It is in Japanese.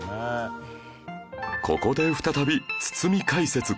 ここで再び堤解説